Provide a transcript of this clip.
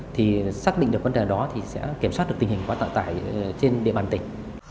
thì xác định được vấn đề đó sẽ kiểm soát được tình hình quá tài trên địa bàn tỉnh